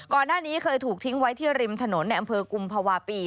ก่อนหน้านี้เคยถูกทิ้งไว้ที่ริมถนนในอำเภอกุมภาวะปี